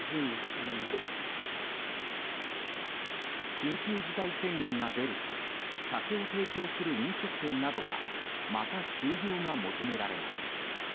緊急事態宣言が出ると酒を提供する飲食店などはまた休業が求められます。